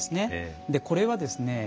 でこれはですね